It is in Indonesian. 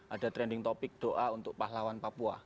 ada trending topic doa untuk pahlawan papua